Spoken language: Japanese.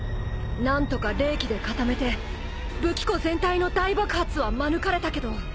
何とか冷気で固めて武器庫全体の大爆発は免れたけど。